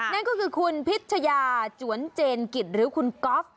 นั่นก็คือคุณพิชยาจวนเจนกิจหรือคุณก๊อฟ